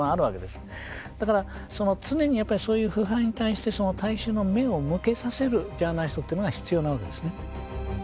だから常にやっぱりそういう腐敗に対して大衆の目を向けさせるジャーナリストっていうのが必要なわけですね。